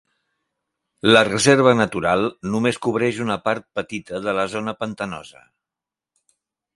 La reserva natural només cobreix una part petita de la zona pantanosa.